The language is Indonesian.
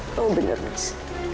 kamu bener mas